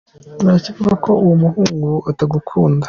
Nta kivuga ko uwo muhungu atagukunda.